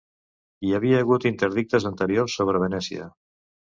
Hi havia hagut interdictes anteriors sobre Venècia.